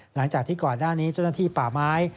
หลังจากที่ก่อนหน้านี้เจ้าหน้าที่ป่าไม้